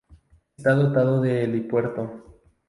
Está dotado de helipuerto.